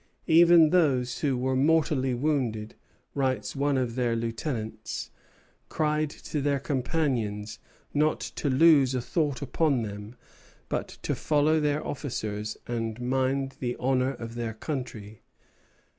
"Even those who were mortally wounded," writes one of their lieutenants, "cried to their companions not to lose a thought upon them, but to follow their officers and mind the honor of their country.